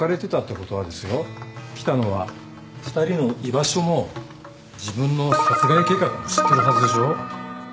喜多野は２人の居場所も自分の殺害計画も知ってるはずでしょ？